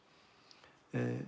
ええ。